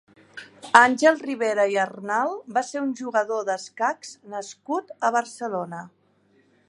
Àngel Ribera i Arnal va ser un jugador d'escacs nascut a Barcelona.